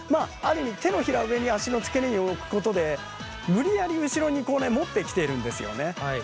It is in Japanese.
手のひらを上に足の付け根に置くことで無理やり後ろにこうね持ってきているんですよね。